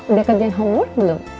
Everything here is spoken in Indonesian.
udah kerjain homework belum